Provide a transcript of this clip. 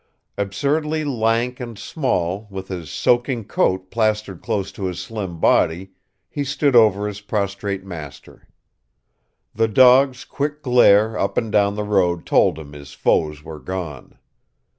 Absurdly lank and small, with his soaking coat plastered close to his slim body, he stood over his prostrate master. The dog's quick glare up and down the road told him his foes were gone.